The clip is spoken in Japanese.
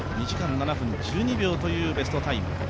２時間７分１２秒というベストタイム。